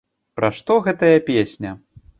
Пра што гэтая песня?